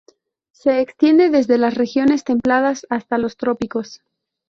Se extiende desde las regiones templadas hasta los trópicos.